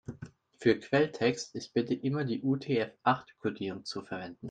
Für Quelltext ist bitte immer die UTF-acht-Kodierung zu verwenden.